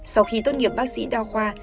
sau khi tốt nghiệp bác sĩ đao khoa